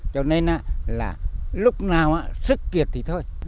cho nên là lúc nào sức kiệt thì thôi